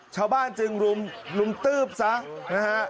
ชาวบ้านจึงรุมตื๊บซะนะฮะ